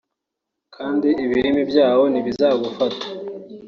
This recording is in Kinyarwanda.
kandi ibirimi byawo ntibizagufata